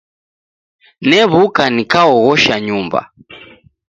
New'uka nikaoghosha nyumba.